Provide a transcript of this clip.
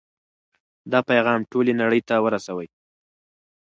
دا پیغام ټولې نړۍ ته ورسوئ.